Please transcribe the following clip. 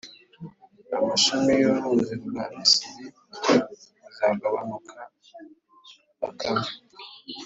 amashami y’uruzi rwa Misiri azagabanuka, akame,